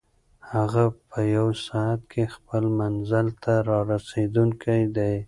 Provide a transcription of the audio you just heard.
هغه په یوه ساعت کې خپل منزل ته رارسېدونکی دی.